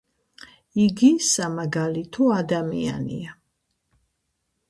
იგი სამაგალითო ადამიანია.